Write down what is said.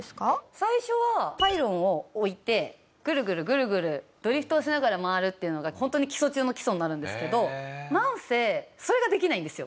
最初はパイロンを置いてぐるぐるぐるぐるドリフトをしながら回るっていうのがホントに基礎中の基礎になるんですけどなんせそれができないんですよ。